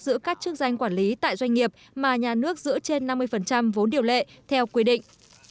giữ các chức danh quản lý tại doanh nghiệp mà nhà nước giữ trên năm mươi vốn điều lệ theo quy định